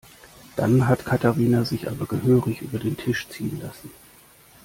Dann hat Katharina sich aber gehörig über den Tisch ziehen lassen.